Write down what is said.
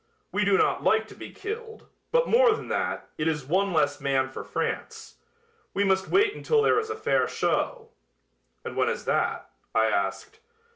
We do not like to be killed, but more than that, it is one less man for France. We must wait until there is a fair show." "And when is that?" I asked.